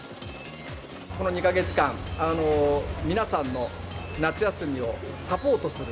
この２か月間、皆さんの夏休みをサポートする。